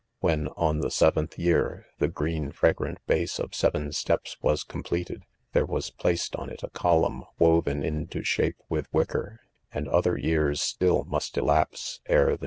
When, on the' seventh 1 fear ^ .the, .green, fragrant base of ' .seven steps wa s completed, there was placed on it a column woven into ^hape with wicker ; and other years still must 'elapse ere. the.